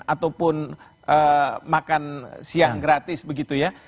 ataupun makan siang gratis begitu ya